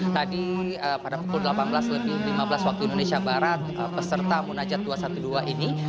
tadi pada pukul delapan belas lebih lima belas waktu indonesia barat peserta munajat dua ratus dua belas ini